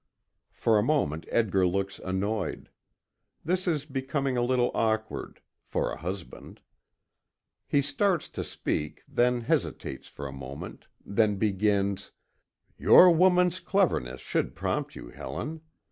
For a moment Edgar looks annoyed. This is becoming a little awkward for a husband. He starts to speak, then hesitates for a moment, then begins: "Your woman's cleverness should prompt you, Helen.